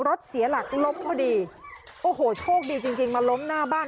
รถเสียหลักล้มพอดีโอ้โหโชคดีจริงจริงมาล้มหน้าบ้าน